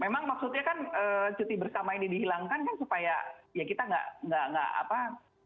memang maksudnya kan cuti bersama ini dihilangkan kan supaya ya kita nggak bisa berpindah ke rumah